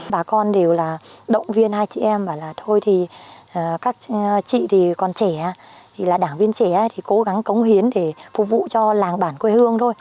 bà con đều là động viên hai chị em bảo là thôi thì các chị thì còn trẻ thì là đảng viên trẻ thì cố gắng cống hiến để phục vụ cho làng bản quê hương thôi